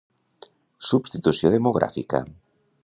Substitució demogràfica.